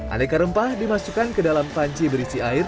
aneka rempah dimasukkan ke dalam panci berisi air